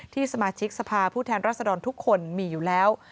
สมาชิกสภาผู้แทนรัศดรทุกคนมีอยู่แล้ว